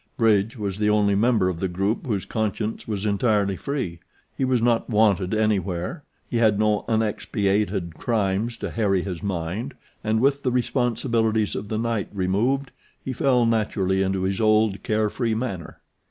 Bridge was the only member of the group whose conscience was entirely free. He was not 'wanted' anywhere, he had no unexpiated crimes to harry his mind, and with the responsibilities of the night removed he fell naturally into his old, carefree manner.